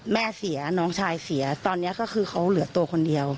แม่เสียน้องชายเสียตอนนี้ก็คือเขาเหลือตัวคนเดียว